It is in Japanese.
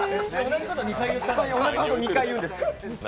同じこと２回言うんです。